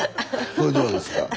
これどうですか？